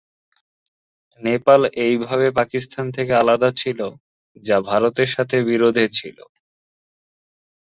নেপাল এইভাবে পাকিস্তান থেকে আলাদা ছিল, যা ভারতের সাথে বিরোধে ছিল।